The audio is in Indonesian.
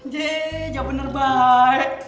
jej enggak bener boy